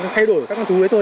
thay đổi các con chú ấy thôi